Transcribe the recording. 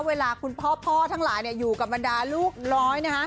เวลาคุณพ่อทั้งหลายอยู่กับบรรดาลูกน้อยนะฮะ